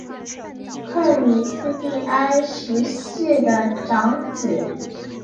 克里斯蒂安十世的长子。